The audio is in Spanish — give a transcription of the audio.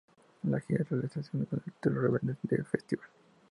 La gira se realizó con el título de "Rebeldes Teen Festival".